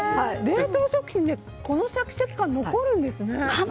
冷凍食品でこのシャキシャキ感残るんですね。